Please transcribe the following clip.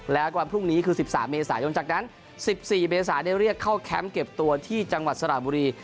แล้ววันพรุ่งนี้คือ๑๓เมษายนจากนั้น๑๔เมษาได้เรียกเข้าแคมป์เก็บตัวที่จังหวัดสระบุรี